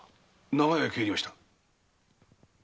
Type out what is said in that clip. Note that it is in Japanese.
長屋に帰りました。